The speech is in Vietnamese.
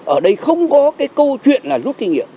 ở đây không có cái câu chuyện là rút kinh nghiệm